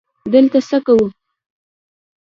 _دلته څه کوو؟